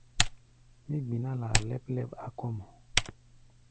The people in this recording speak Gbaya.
Mí gbiná laa lɛ́p-lɛ́p á kɔ̧́ mɔ.